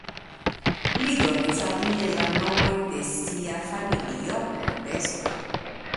Li donis al ili la nomojn de sia familio kaj bestoj.